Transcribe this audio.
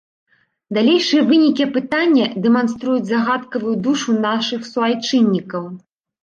Далейшыя вынікі апытання дэманструюць загадкавую душу нашых суайчыннікаў.